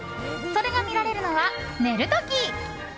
それが見られるのは、寝る時。